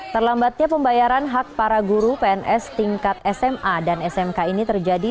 terlambatnya pembayaran hak para guru pns tingkat sma dan smk ini terjadi